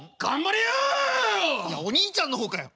「お兄ちゃんの方かよ！」。